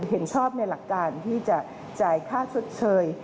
เห็นชอบในหลักการที่จะจ่ายค่าชดเชย